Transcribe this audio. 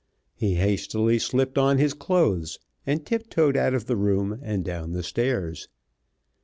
He hastily slipped on his clothes, and tip toed out of the room and down the stairs.